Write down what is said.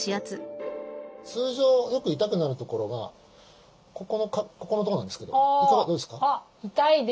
通常よく痛くなるところがここのとこなんですけどどうですか？